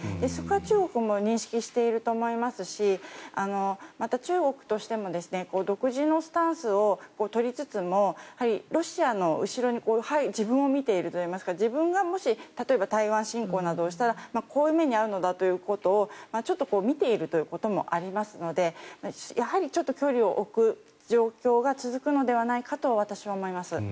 そこは中国も認識していると思いますしまた、中国としても独自のスタンスを取りつつもロシアの後ろに自分を見ているといいますか自分がもし、例えば台湾侵攻などをしたらこういう目に遭うのだということをちょっと見ているということもありますのでやはりちょっと距離を置く状況が続くのではないかと私は思います。